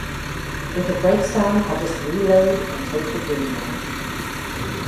If it breaks down, I'll just reload and take the green one.